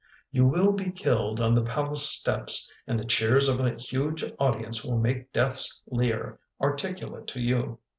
" You will be killed on die palace steps and the cheers of a huge audience will make death's leer articulate to you.